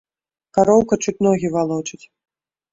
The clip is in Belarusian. Кароўка чуць ногі валочыць.